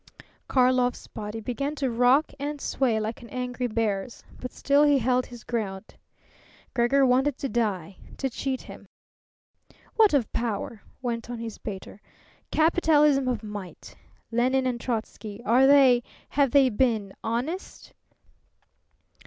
Karlov's body began to rock and sway like an angry bear's; but still he held his ground. Gregor wanted to die, to cheat him. "What of power?" went on his baiter. "Capitalism of might. Lenine and Trotzky; are they have they been honest?